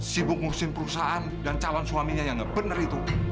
sibuk ngurusin perusahaan dan calon suaminya yang nggak benar itu